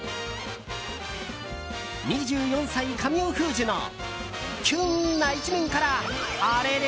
２４歳、神尾楓珠のキュンな一面からあれれ？